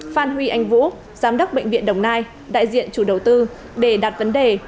phan huy anh vũ giám đốc bệnh viện đồng nai đại diện chủ đầu tư để đặt vấn đề